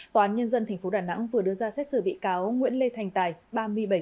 tòa án nhân dân tp đà nẵng vừa đưa ra xét xử bị cáo nguyễn lê thành tài ba mươi bảy tuổi